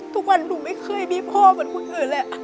ทุกวันหนูไม่เคยมีพ่อเหมือนคนอื่น